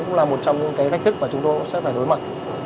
cũng là một trong những thách thức mà chúng tôi sẽ phải đối mặt